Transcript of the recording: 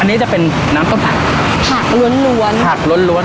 อันนี้จะเป็นน้ำต้มผักล้วนล้วนผักล้วนล้วน